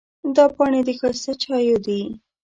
دا پاڼې د ښایسته چایو دي.